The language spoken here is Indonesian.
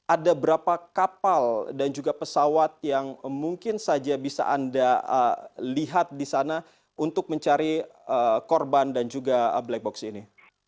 ada berapa kapal dan juga pesawat yang mungkin saja bisa anda lihat di sana untuk mencari korban dan juga black box ini